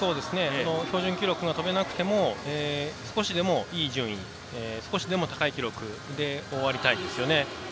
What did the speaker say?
標準記録が跳べなくても少しでもいい順位、少しでも高い記録で終わりたいですよね。